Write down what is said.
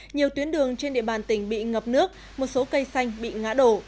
nhiều tuyến đường trên địa bàn tỉnh bị ngập nước một số cây xanh bị ngã đổ